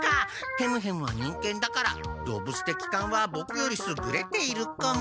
ヘムヘムは忍犬だからどうぶつてきかんはボクよりすぐれているかも。